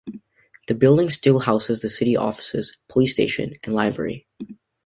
The building still houses the city's offices, police station and library.